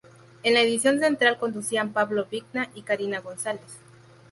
En la edición central conducían Pablo Vigna y Karina González.